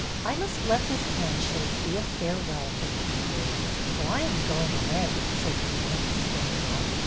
" I must let this handshake be a farewell for a few days, for I am going away," said Edyth, standing up.